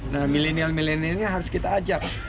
nah milenial milenialnya harus kita ajak